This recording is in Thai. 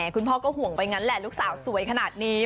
คุณพ่อก็ห่วงไปแล้วลูกสาวนแค่นี้นะ